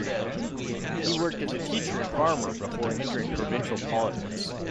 He worked as a teacher and farmer before entering provincial politics.